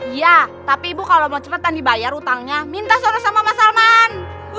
iya tapi ibu kalau mau cepet kan dibayar utangnya minta soros sama mas salman